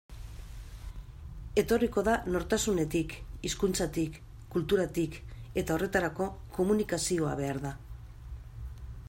Etorriko da nortasunetik, hizkuntzatik, kulturatik, eta horretarako komunikazioa behar da.